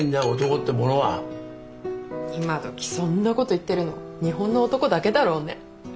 今どきそんなこと言ってるの日本の男だけだろうね。